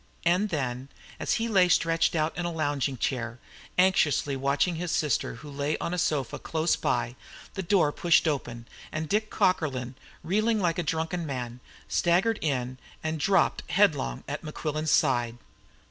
And then, as he lay stretched out in a lounging chair, anxiously watching his sister who lay on a sofa close by, the door was pushed open, and Dick Cockerlyne, reeling like a drunken man, staggered in, and dropped headlong at Mequillen's side.